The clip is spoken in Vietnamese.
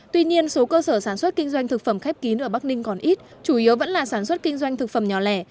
tuy nhiên số cơ sở sản xuất kinh doanh thực phẩm khép kín ở bắc ninh còn ít chủ yếu vẫn là sản xuất kinh doanh thực phẩm nhỏ lẻ